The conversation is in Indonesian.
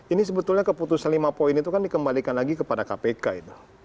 ini sebetulnya keputusan lima poin itu kan dikembalikan lagi kepada kpk itu